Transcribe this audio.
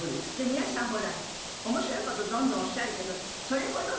皆さんほら面白い事どんどんおっしゃるけど。